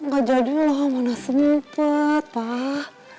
nggak jadi lah mana sempet pak